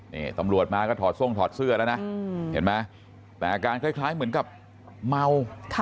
นี่ตำรวจมาก็ถอดทรงถอดเสื้อแล้วนะเห็นไหมแต่อาการคล้ายเหมือนกับเมา